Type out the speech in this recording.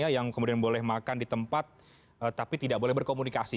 yang kemudian boleh makan di tempat tapi tidak boleh berkomunikasi